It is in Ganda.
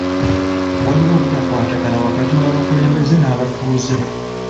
Waliwo obutakwatagana wakati w'abakulembeze n'abatuuze.